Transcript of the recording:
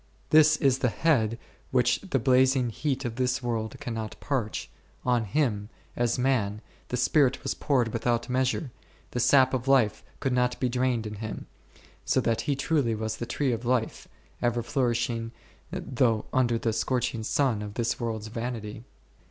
This is the head which the blazing heat of this world cannot parch ; on Him, as man, the Spirit was poured without measure, the sap of life could not be drained in Him, so that He truly was the Tree of Life, ever flourishing though under the scorching sun of this world's vanity.